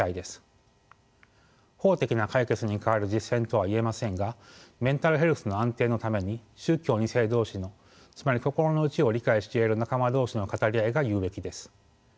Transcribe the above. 法的な解決に代わる実践とは言えませんがメンタルヘルスの安定のために宗教２世同士のつまり心の内を理解し合える仲間同士の語り合いが有益です。